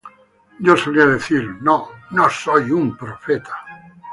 Yo solía decir: "No, no soy un profeta".